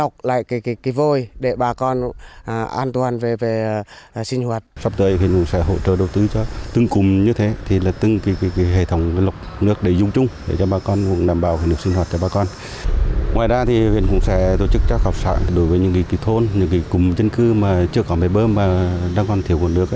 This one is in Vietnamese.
các học sản đối với những cái thôn những cái cùng dân cư mà chưa có máy bơm mà đang còn thiếu nguồn nước